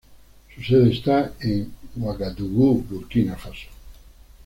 Su sede está en Uagadugú, Burkina Faso.